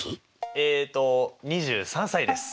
えっと２３歳です。